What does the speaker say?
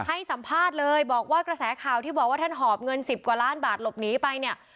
ให้สัมภาษณ์เลยบอกว่ากระแสข่าวที่บอกว่าท่านหอบเงิน๑๐กว่าล้านบาทหลบหนีไปเนี่ย